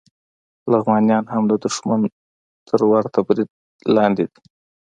لغمانیان هم د دښمن تر ورته برید لاندې دي